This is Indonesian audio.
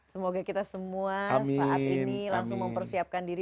semoga kita semua saat ini langsung mempersiapkan diri